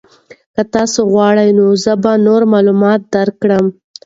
که تاسو غواړئ نو زه به نور معلومات درکړم.